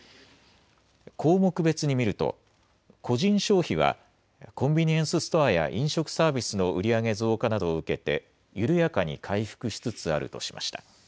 項目別に見ると個人消費はコンビニエンスストアや飲食サービスの売り上げ増加などを受けて緩やかに回復しつつあるとしました。